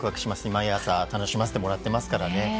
毎朝楽しませてもらってますからね。